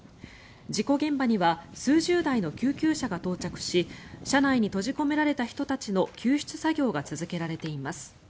事故現場には数十台の救急車が到着し車内に閉じ込められた人たちの救出作業が続けられています。